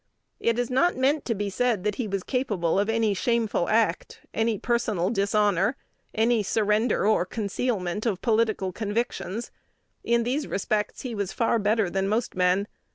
It is not meant to be said that he was capable of any shameful act, any personal dishonor, any surrender or concealment of political convictions. In these respects, he was far better than most men.